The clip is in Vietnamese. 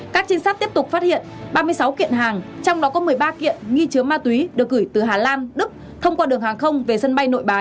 các trinh sát tiếp tục phát hiện ba mươi sáu kiện hàng trong đó có một mươi ba kiện nghi chứa ma túy được gửi từ hà lan đức thông qua đường hàng không về sân bay nội bài